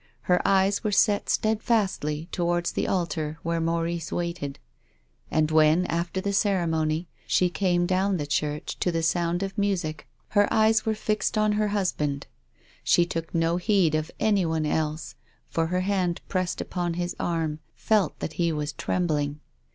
Ilcr eyes were set steadfastly towards the altar where Maurice waited. And when, after the ceremony, she came down the church to the sound of music her eyes were fixed on her 222 TONGUES OF CONSCIENCE. husband. She took no heed of anyone else, for her hand pressed upon his arm, felt that he was trembling.